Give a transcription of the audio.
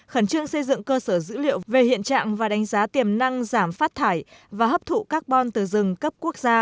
khẩn trương xây dựng cơ sở dữ liệu về hiện trạng và đánh giá tiềm năng giảm phát thải và hấp thụ carbon từ rừng cấp quốc gia